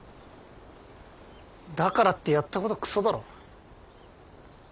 だからってやったことくそだろ